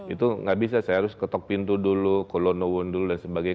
itu nggak bisa saya harus ketok pintu dulu ke lonowo dulu dan sebagainya